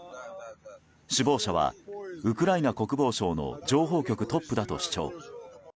首謀者は、ウクライナ国防省の情報局トップだと主張。